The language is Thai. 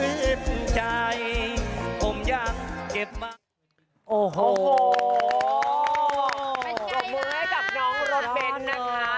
รบมือให้กับน้องรดเบนนะคะ